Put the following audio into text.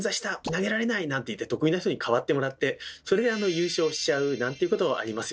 投げられない！」なんて言って得意な人にかわってもらってそれで優勝しちゃうなんていうことありますよね。